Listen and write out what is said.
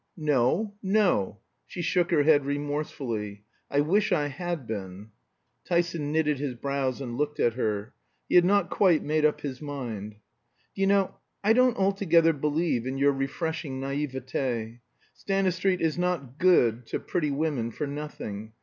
"No no." She shook her head remorsefully. "I wish I had been." Tyson knitted his brows and looked at her. He had not quite made up his mind. "Do you know, I don't altogether believe in your refreshing näiveté. Stanistreet is not 'good' to pretty women for nothing.